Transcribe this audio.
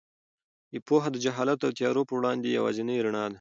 پوهه د جهالت او تیارو په وړاندې یوازینۍ رڼا ده.